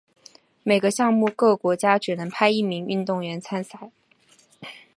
每个项目各国家只能派一名运动员参赛。